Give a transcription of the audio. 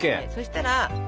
そしたら。